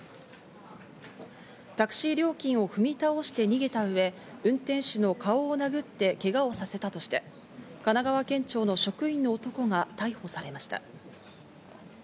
タクシー料金を踏み倒して逃げた上、運転手の顔を殴ってけがをさせたとして、神奈川県庁の職員の男が逮捕されました。